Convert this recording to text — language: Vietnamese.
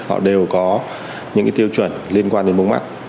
họ đều có những tiêu chuẩn liên quan đến mống mắt